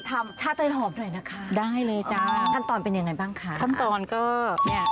สวัสดียังเป็นทางการกับคุณป๊า